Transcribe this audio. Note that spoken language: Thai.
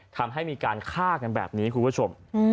ทำให้มีการฆ่ากันแบบนี้คุณผู้ชม